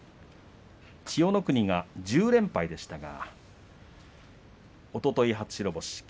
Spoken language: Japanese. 千代の国は１０連敗でしたがおととい初白星。